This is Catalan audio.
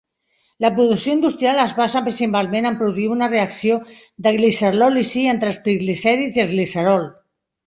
La producció industrial es basa principalment en produir una reacció de glicerlòlisi entre els triglicèrids i el glicerol.